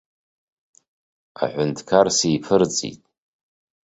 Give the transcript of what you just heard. Аҳәынҭқар сиԥырҵит.